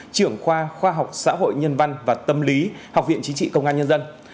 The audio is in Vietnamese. trưởng khoa khoa học xã hội nhân văn và tâm lý học viện chính trị công an nhân dân